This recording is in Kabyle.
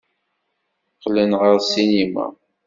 Qqlen ɣer ssinima.